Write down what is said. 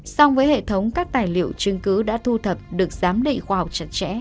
song với hệ thống các tài liệu chứng cứ đã thu thập được giám định khoa học chặt chẽ